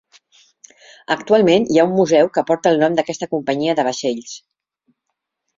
Actualment hi ha un museu que porta el nom d'aquesta companyia de vaixells.